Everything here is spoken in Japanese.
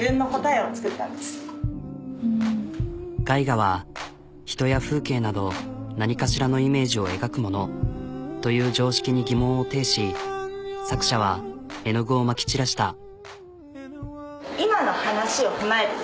「絵画は人や風景など何かしらのイメージを描くもの」という常識に疑問を呈し作者は絵の具をまき散らした。